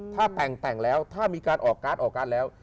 ถ้าแต่งแล้วถ้ามีการออกการ์ดออกการ์ดแล้ว